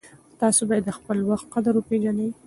تاسې باید د خپل وخت قدر وپېژنئ.